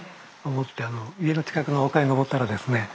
持って家の近くの丘に登ったらですね